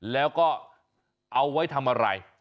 แล้วก็เอาไว้ทำอะไร